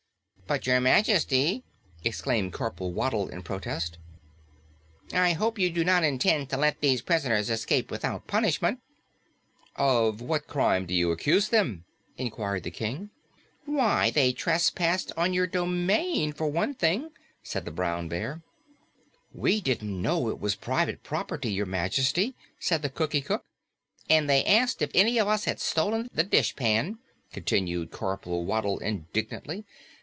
"But Your Majesty!" exclaimed Corporal Waddle in protest, "I hope you do not intend to let these prisoners escape without punishment." "Of what crime do you accuse them?" inquired the King. "Why, they trespassed on your domain, for one thing," said the Brown Bear. "We didn't know it was private property, Your Majesty," said the Cookie Cook. "And they asked if any of us had stolen the dishpan!" continued Corporal Waddle indignantly.